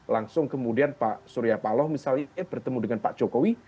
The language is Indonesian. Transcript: langsung kemudian pak surya paloh misalnya eh bertemu dengan pak jokowi